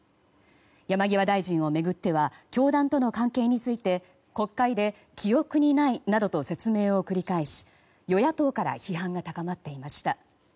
山際大臣を巡っては教団との関係について国会で記憶にないなどと説明を繰り返し与野党から批判が高まっていました。